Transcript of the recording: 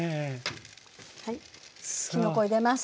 きのこ入れます。